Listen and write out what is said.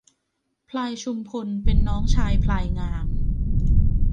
พลายชุมพลเป็นน้องชายพลายงาม